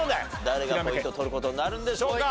誰がポイントを取る事になるんでしょうか？